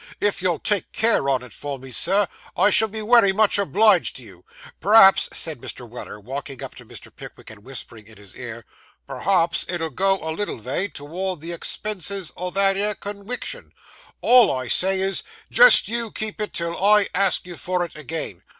If you'll take care on it for me, sir, I shall be wery much obliged to you. P'raps,' said Mr. Weller, walking up to Mr. Pickwick and whispering in his ear 'p'raps it'll go a little vay towards the expenses o' that 'ere conwiction. All I say is, just you keep it till I ask you for it again.